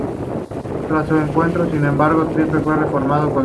Tras el encuentro, sin embargo, Triple X fue reformado con Daniels, Senshi.